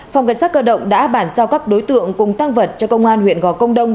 phòng cảnh sát cơ động đã bản giao các đối tượng cùng tăng vật cho công an huyện gò công đông